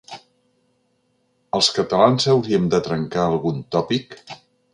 Els catalans hauríem de trencar algun tòpic?